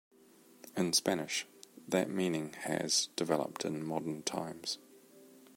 In Spanish, that meaning has developed in modern times.